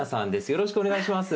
よろしくお願いします。